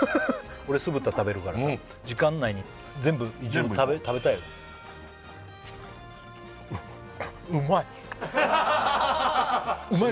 俺酢豚食べるからさ時間内に全部一応食べたいようまい！